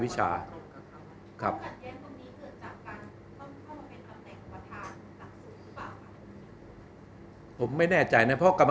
เป็นกรรมการนะครับ